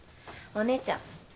お姉ちゃん。